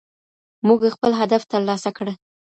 موږ خپل هدف ترلاسه کړ.